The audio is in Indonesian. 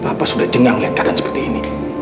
papa sudah jengang liat keadaan seperti ini